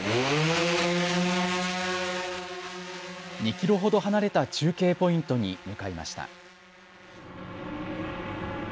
２キロほど離れた中継ポイントに向かいました。